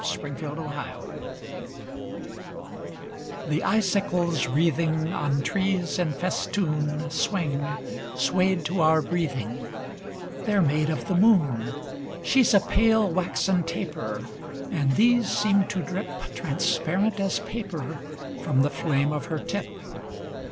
SILVER FILIGREE The icicles wreathing On trees in festoon Swing, swayed to our breathing: They're made of the moon. She's a pale, waxen taper; And these seem to drip Transparent as paper From the flame of her tip.